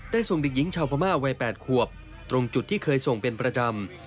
ส่งเด็กหญิงชาวพม่าวัย๘ขวบตรงจุดที่เคยส่งเป็นประจำ